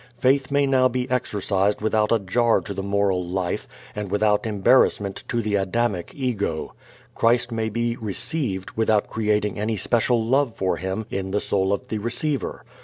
Faith may now be exercised without a jar to the moral life and without embarrassment to the Adamic ego. Christ may be "received" without creating any special love for Him in the soul of the receiver.